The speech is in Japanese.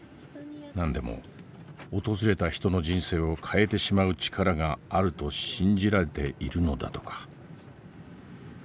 何でも訪れた人の人生を変えてしまう力があると信じられているのだとか。